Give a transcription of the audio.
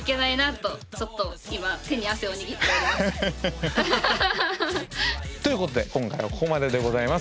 ということで今回はここまででございます。